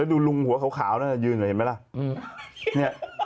แล้วดูลุงหัวเขาขาวนั่นยืนเห็นไหมล่ะ